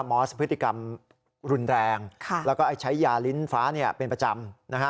มอสพฤติกรรมรุนแรงแล้วก็ใช้ยาลิ้นฟ้าเป็นประจำนะฮะ